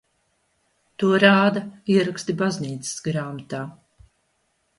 To rāda ieraksti baznīcas grāmatā.